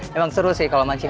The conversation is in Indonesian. memang seru sih kalau mancing